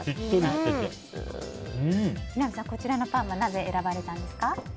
木南さん、こちらのパンはなぜ選ばれたんですか？